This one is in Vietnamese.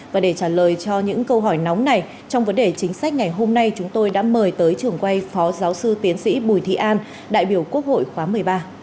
và để trả lời cho những câu hỏi nóng này trong vấn đề chính sách ngày hôm nay chúng tôi đã mời tới trưởng quay phó giáo sư tiến sĩ bùi thị an đại biểu quốc hội khóa một mươi ba